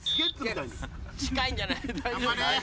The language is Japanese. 近いんじゃないの？